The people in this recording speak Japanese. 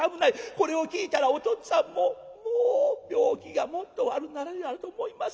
これを聞いたらおとっつぁんももう病気がもっと悪なると思います。